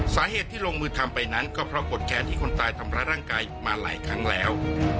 สาเหตุที่ลงมือทำไปนั้นก็เพราะโกรธแค้นที่คนตายทำร้ายร่างกายมาหลายครั้งแล้ว